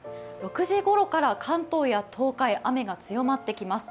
６時ごろから関東や東海、雨が強まってきます。